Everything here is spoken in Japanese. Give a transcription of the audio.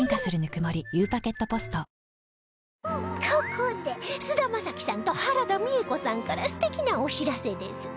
ここで菅田将暉さんと原田美枝子さんから素敵なお知らせです